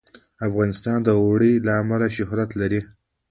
افغانستان د اوړي له امله شهرت لري.